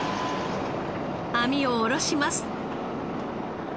網を下ろします。